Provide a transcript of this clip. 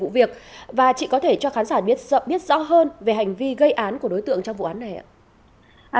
và chị có thể cho khán giả biết rõ hơn về hành vi gây án của đối tượng trong vụ án này ạ